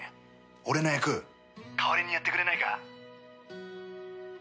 俺の役代わりにやってくれないか？